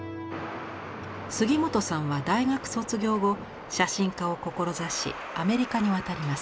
杉本さんは大学卒業後写真家を志しアメリカに渡ります。